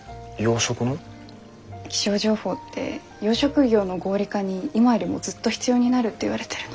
気象情報って養殖業の合理化に今よりもずっと必要になるって言われてるの。